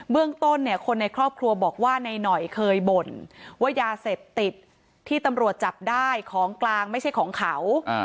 เรื่องต้นเนี่ยคนในครอบครัวบอกว่านายหน่อยเคยบ่นว่ายาเสพติดที่ตำรวจจับได้ของกลางไม่ใช่ของเขา